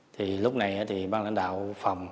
thì lúc này thì bang lãnh đạo phòng